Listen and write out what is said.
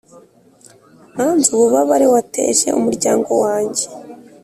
nanze ububabare wateje umuryango wanjye!